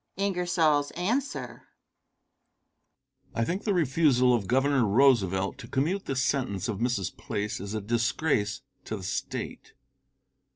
Answer. I think the refusal of Governor Roosevelt to commute the sentence of Mrs. Place is a disgrace to the State.